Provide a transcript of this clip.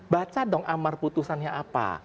baca dong amar putusannya apa